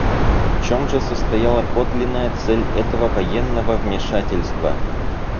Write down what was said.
В чем же состояла подлинная цель этого военного вмешательства?